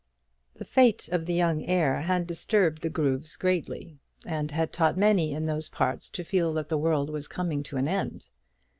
The fate of the young heir had disturbed the grooves greatly, and had taught many in those parts to feel that the world was coming to an end.